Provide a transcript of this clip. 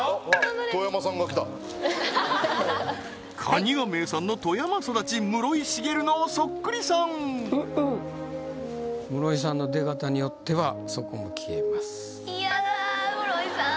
カニが名産の富山育ち室井滋のそっくりさん室井さんの出方によってはそこも消えます嫌だー室井さん